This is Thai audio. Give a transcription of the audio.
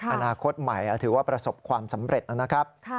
อนาคตใหม่ถือว่าประสบความสำเร็จนะครับ